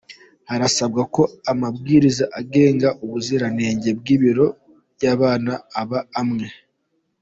Harasabwa ko amabwiriza agenga ubuziranenge bw’ibiryo by’abana aba amwe